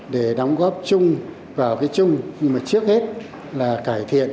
để đóng góp chung vào cái chung nhưng mà trước hết là cải thiện